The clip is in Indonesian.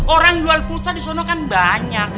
orang jual pulsa disana kan banyak